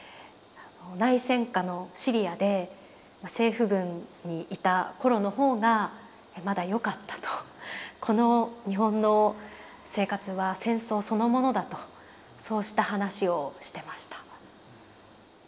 「内戦下のシリアで政府軍にいた頃の方がまだよかった」と「この日本の生活は戦争そのものだ」とそうした話をしてました。